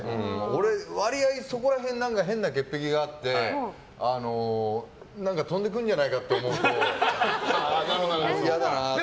俺、割合そこら辺変な潔癖があって何か飛んでくるんじゃないかと思うと嫌だなって。